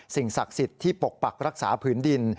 ศักดิ์สิทธิ์ที่ปกปักรักษาผืนดิน